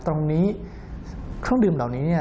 ตรงนี้เครื่องดื่มเหล่านี้เนี่ย